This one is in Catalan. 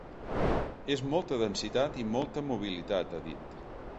És molta densitat i molta mobilitat, ha dit.